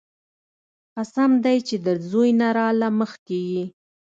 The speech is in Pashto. قسم دې چې د زوى نه راله مخكې يې.